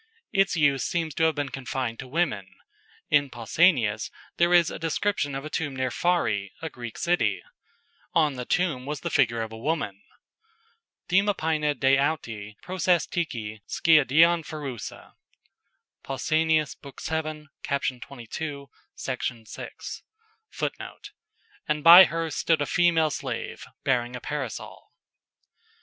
"] Its use seems to have been confined to women. In Pausanias there is a description of a tomb near Pharæ, a Greek city. On the tomb was the figure of a woman "themapaina de autae prosestaeke skiadeion pherousa." Pausanias, lib. vii., cap. 22, Section 6. [Footnote: "And by her stood a female slave, bearing a parasol."